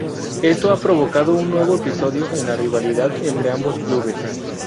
Esto ha provocado un nuevo episodio en la rivalidad entre ambos clubes.